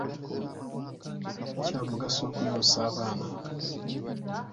Kya mugaso okuyonsa abaana.